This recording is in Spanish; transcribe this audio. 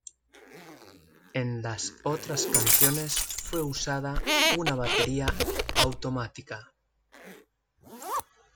En las otras canciones fue usada una batería automática.